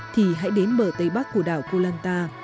thì hãy đến bờ tây bắc của đảo koh lanta